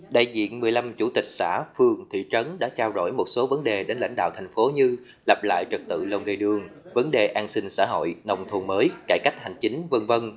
đại diện một mươi năm chủ tịch xã phường thị trấn đã trao đổi một số vấn đề đến lãnh đạo thành phố như lập lại trật tự lâu ngày đường vấn đề an sinh xã hội nông thôn mới cải cách hành chính v v